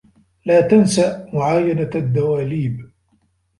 لا تنس معاينة الدّواليب.